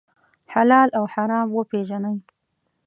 حلال او حرام وپېژنئ.